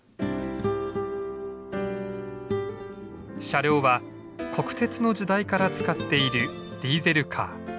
車両は国鉄の時代から使っているディーゼルカー。